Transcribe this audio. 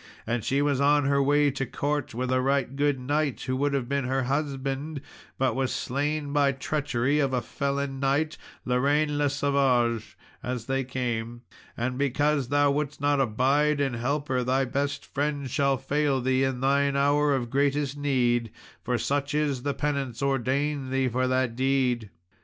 And she was on her way to court, with a right good young knight, who would have been her husband, but was slain by treachery of a felon knight, Lorraine le Savage, as they came; and because thou wouldst not abide and help her, thy best friend shall fail thee in thine hour of greatest need, for such is the penance ordained thee for that deed."